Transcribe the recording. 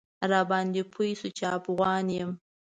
راباندې پوی شو چې افغان یم.